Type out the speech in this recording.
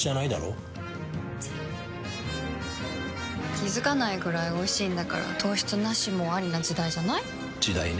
気付かないくらいおいしいんだから糖質ナシもアリな時代じゃない？時代ね。